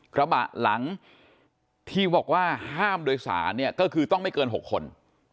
กระบะหลังที่บอกว่าห้ามโดยสารเนี่ยก็คือต้องไม่เกิน๖คน